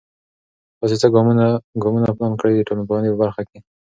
تاسې څه ګامونه پلان کړئ د ټولنپوهنې په برخه کې؟